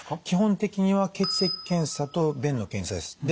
基本的には血液検査と便の検査です。